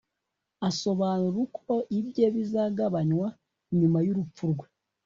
asobanura uko ibye bizagabanywa nyuma y'urupfu rwe